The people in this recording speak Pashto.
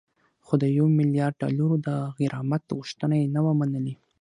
خو د یو میلیارد ډالرو د غرامت غوښتنه یې نه ده منلې